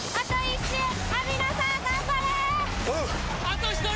あと１人！